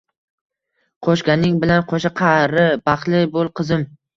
Qoʻshganing bilan qoʻsha qari, baxtli boʻl, qizim